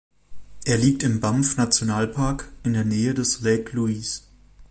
Er liegt im Banff-Nationalpark in der Nähe des Lake Louise.